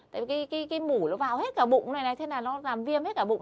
tại vì cái mủ nó vào hết cả bụng này này thế là nó giảm viêm hết cả bụng